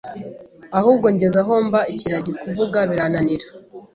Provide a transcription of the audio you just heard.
ahubwo ngeze aho mba ikiragi, kuvuga birananira